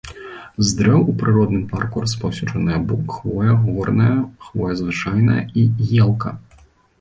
З дрэў у прыродным парку распаўсюджаныя бук, хвоя горная, хвоя звычайная і елка.